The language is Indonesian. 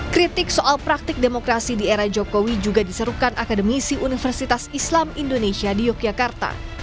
kritik soal praktik demokrasi di era jokowi juga diserukan akademisi universitas islam indonesia di yogyakarta